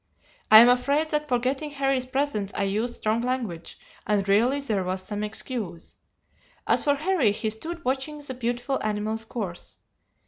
I am afraid that forgetting Harry's presence I used strong language, and really there was some excuse. As for Harry, he stood watching the beautiful animal's course.